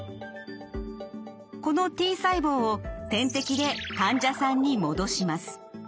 このＴ細胞を点滴で患者さんに戻します。